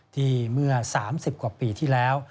เมื่อ๓๐กว่าปีที่แล้ว